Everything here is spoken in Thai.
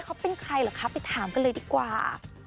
เขาเป็นใครเหรอคะไปถามกันเลยดีกว่า